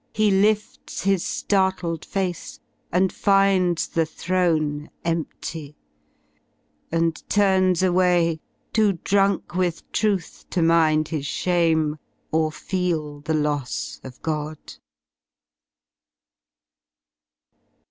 He lifts his ftartledface, and finds the Throne Empty, and turns away, too drunk with Truth To mind his shame, or feel the loss of God.